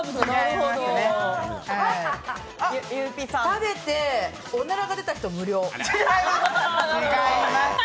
食べて、おならが出た人無料？